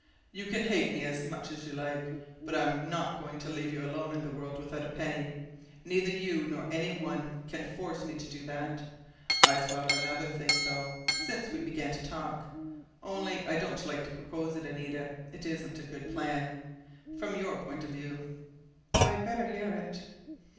You can hate me as much as you like, but I'm not going to leave you alone in the world without a penny. Neither you nor any one can force me to that.... I've thought of another thing, though, since we began to talk. Only I don't like to propose it, Anita. It isn't a good plan from your point of view." "I'd better hear it."